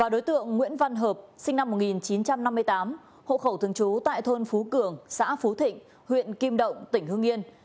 đối tượng nguyễn văn hợp sinh năm một nghìn chín trăm năm mươi tám hộ khẩu thường trú tại thôn phú cường xã phú thịnh huyện kim động tỉnh hương yên